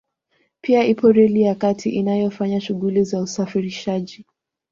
Pia ipo reli ya kati inayofanya shughuli za usafirishaji